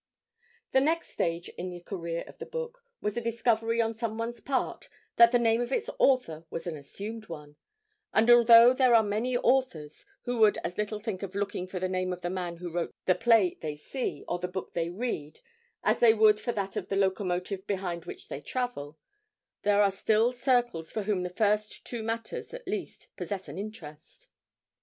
The next stage in the career of the book was a discovery on someone's part that the name of its author was an assumed one, and although there are many who would as little think of looking for the name of the man who wrote the play they see or the book they read as they would for that of the locomotive behind which they travel, there are still circles for whom the first two matters at least possess an interest.